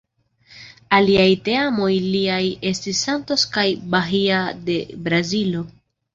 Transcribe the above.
Aliaj teamoj liaj estis Santos kaj Bahia de Brazilo.